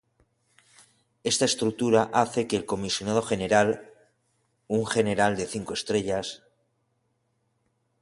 Esta estructura hace que el Comisionado General, un general de cinco estrellas.